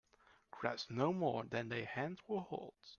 Grasp no more than thy hand will hold.